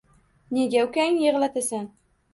Nega ukangni yig‘latasan?